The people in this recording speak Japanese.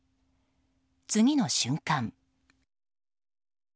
次の瞬間。